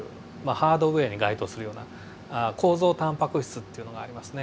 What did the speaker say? ハードウエアに該当するような構造タンパク質っていうのがありますね。